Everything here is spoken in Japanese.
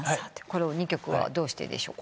この２曲はどうしてでしょうか？